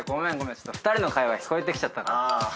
ごめん２人の会話が聞こえてきちゃったから。